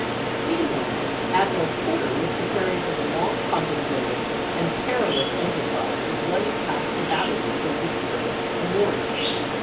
Meantime Admiral Porter was preparing for the long contemplated and perilous enterprise of run ning past the batteries of Vicksburg and Warren ton.